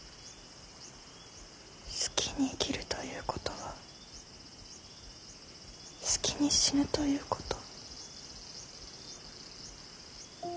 好きに生きるということは好きに死ぬということ？